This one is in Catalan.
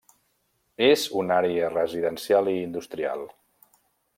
És una àrea residencial i industrial.